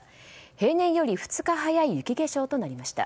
平年より２日早い雪化粧となりました。